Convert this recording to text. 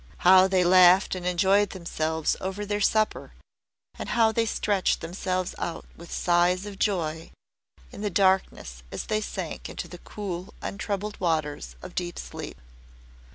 How they laughed and enjoyed themselves over their supper, and how they stretched themselves out with sighs of joy in the darkness as they sank into the cool, untroubled waters of deep sleep.